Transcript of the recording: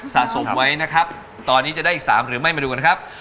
สะสมไว้นะครับตอนนี้จะได้อีก๓หรือไม่มาดูนะครับ